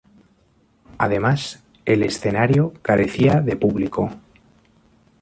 Además, el escenario carecía de público.